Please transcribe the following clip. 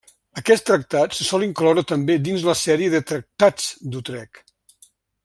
Aquest tractat se sol incloure també dins la sèrie de tractats d'Utrecht.